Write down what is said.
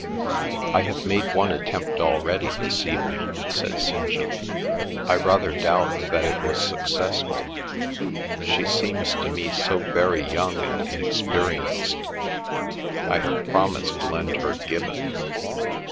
"I have made one attempt already this evening," said St. John. "I rather doubt that it was successful. She seems to me so very young and inexperienced. I have promised to lend her Gibbon."